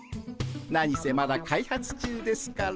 何せまだ開発中ですから。